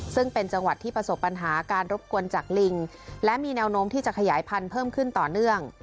ซึ่งเป็นจังหวัดที่ประสบปัญหาการรบกวนจากลิงและมีแนวโน้มที่จะขยายพันธุ์เพิ่มขึ้นต่อเนื่อง